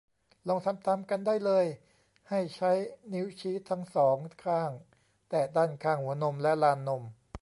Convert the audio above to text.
ลองทำตามกันได้เลย ให้ใช้นิ้วชี้ทั้ง สอง ข้างแตะด้านข้างหัวนมและลานนม